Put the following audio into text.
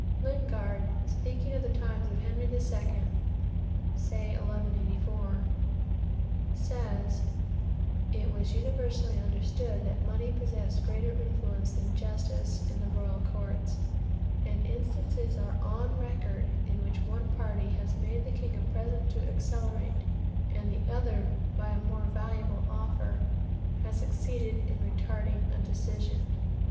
Lingard, speaking of the times of Henry II., (say 1184,) says: "It was universally understood that money possessed greater influence than justice in the royal courts, and instances are on record, in which one party has made the king a present to accelerate, and the other by a more valuable offer has succeeded in retarding a decision.